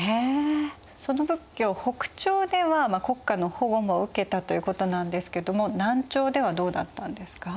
その仏教北朝では国家の保護も受けたということなんですけども南朝ではどうだったんですか？